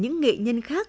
thì chúng tôi rất hạnh phúc